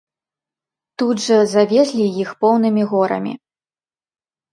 Тут жа завезлі іх поўнымі горамі.